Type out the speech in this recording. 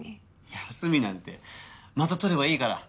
休みなんてまた取ればいいから。